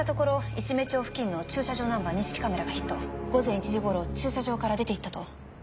石目町付近の駐車場ナンバー認識カメラがヒット午前１時頃駐車場から出て行ったと。